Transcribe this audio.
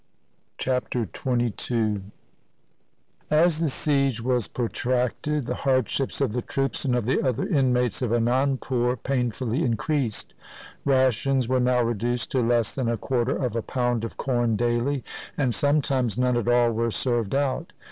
Chapter XXII As the siege was protracted the hardships of the troops and of the other inmates of Anandpur pain fully increased. Rations were now reduced to less than a quarter of a pound of corn daily, and some times none at all were served out.